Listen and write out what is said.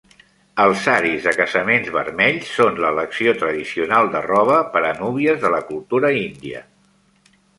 Els saris de casaments vermells són l'elecció tradicional de roba per a núvies de la cultura índia.